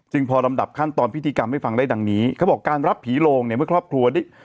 พอลำดับขั้นตอนพิธีกรรมให้ฟังได้ดังนี้เขาบอกการรับผีโลงเนี่ยเมื่อครอบครัวได้